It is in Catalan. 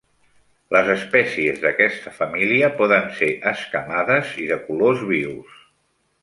Les espècies d'aquesta família poden ser escamades i de colors vius.